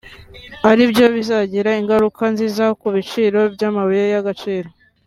aribyo bizagira ingaruka nziza ku biciro by’amabuye y’agaciro